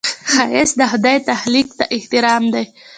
ښایست د خدای تخلیق ته احترام دی